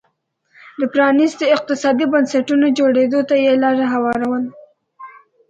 د پرانیستو اقتصادي بنسټونو جوړېدو ته یې لار هواروله